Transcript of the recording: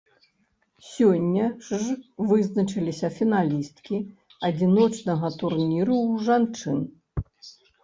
Сёння ж вызначыліся фіналісткі адзіночнага турніру ў жанчын.